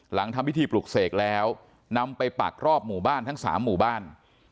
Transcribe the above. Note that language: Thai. ทำพิธีปลุกเสกแล้วนำไปปักรอบหมู่บ้านทั้ง๓หมู่บ้าน